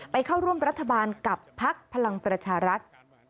เข้าร่วมรัฐบาลกับพักพลังประชารัฐ